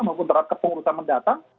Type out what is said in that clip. maupun terhadap kepengurusan mendatang